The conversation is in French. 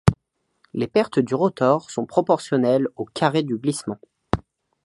Les pertes du rotor sont proportionnelles au carré du glissement.